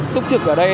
túc trực ở đây